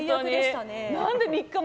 何で３日前？